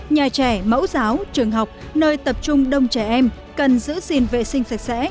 nhà trẻ mẫu giáo trường học nơi tập trung đông trẻ em cần giữ gìn vệ sinh sạch sẽ